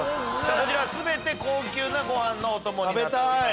こちら全て高級なご飯のお供になっております。